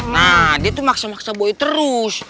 nah dia tuh maksa maksa bui terus